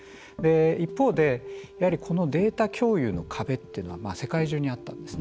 一方で、やはりこのデータ共有の壁というのは世界じゅうにあったんですね。